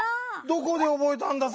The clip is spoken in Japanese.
どこでおぼえたんだ？